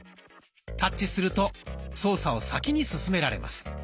タッチすると操作を先に進められます。